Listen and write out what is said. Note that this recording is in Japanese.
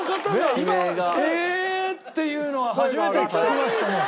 「ええ」っていうのは初めて聞きましたね。